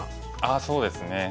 あっそうですね。